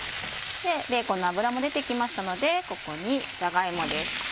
ベーコンの脂も出てきましたのでここにじゃが芋です。